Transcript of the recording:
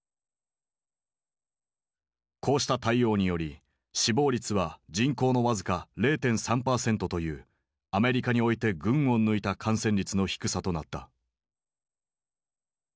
こうした対応により死亡率は人口の僅か０．３％というアメリカにおいて群を抜いた感染率の低さとなった。